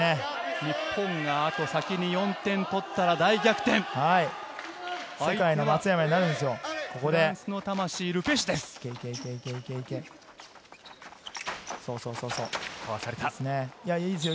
日本があと先に４点取ったら世界の松山にここでなるんですよ。